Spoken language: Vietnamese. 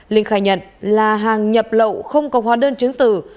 linh khai nhận là hàng nhập lậu không có hóa đơn chứng tử